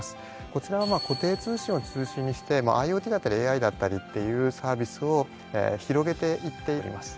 こちらは固定通信を中心にしてＩｏＴだったりＡＩだったりっていうサービスを広げていっています。